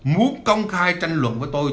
muốn công khai tranh luận với tôi